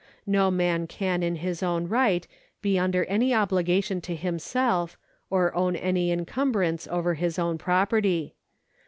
No man can in his own right be under any obligation to himself, or own any encumbrance over his own property.